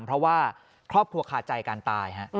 เพราะว่าครอบครัวคาใจการตาย